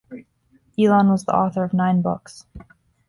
Elon was the author of nine books.